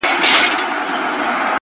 هره تجربه د شخصیت نوی اړخ جوړوي!.